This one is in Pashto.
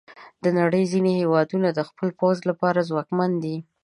د نړۍ ځینې هیوادونه د خپل پوځ لپاره ځواکمن دي.